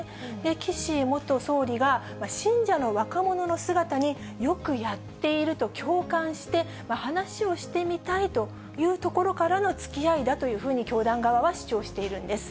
岸元総理が信者の若者の姿に、よくやっていると共感して、話をしてみたいというところからのつきあいだというふうに、教団側は主張しているんです。